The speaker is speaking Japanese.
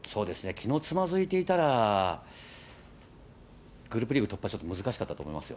きのう、つまずいていたら、グループリーグ突破はちょっと難しかったと思いますよ。